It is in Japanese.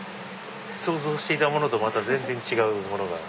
想像していたものとまた全然違うものが。